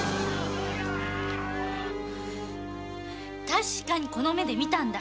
確かにこの目で見たんだ。